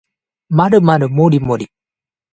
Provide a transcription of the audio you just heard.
まるまるもりもり